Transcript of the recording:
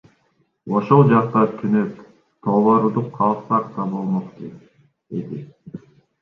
Ошол жакта түнөп, тоолордо калсак да болмок, — дейт Эдил.